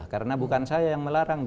karena bukan saya yang melarang